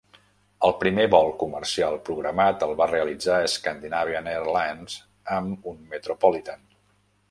El primer vol comercial programat el va realitzar Scandinavian Airlines amb un Metropolitan.